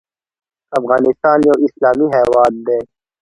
افغانستان یو اسلامي هیواد دی